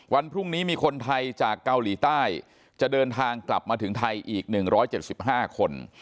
วันพรุ่งนี้มีคนไทยจากเกาหลีใต้จะเดินทางกลับมาถึงไทยอีก๑๗๕คน